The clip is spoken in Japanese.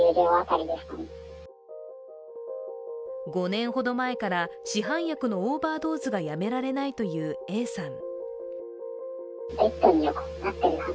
５年ほど前から市販薬のオーバードーズがやめられないというＡさん。